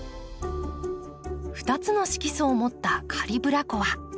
２つの色素を持ったカリブラコア。